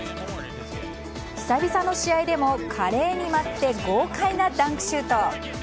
久々の試合でも華麗に舞って豪快なダンクシュート！